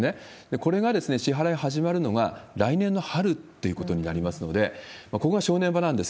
これが、支払い始まるのが来年の春ということになりますので、ここが正念場なんです。